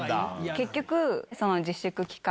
結局。